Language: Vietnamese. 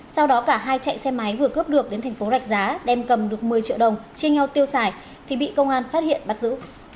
sau đó cả hai chạy xe máy vừa cướp được đến thành phố rạch giá đem cầm được một mươi triệu đồng chia nhau tiêu xài thì bị công an phát hiện bắt giữ